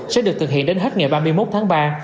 sẽ được thực hiện đến hết ngày ba mươi một tháng ba